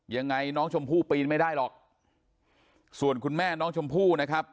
ยังไงน้องชมพู่ปีนไม่ได้หรอกส่วนคุณแม่น้องชมพู่นะครับ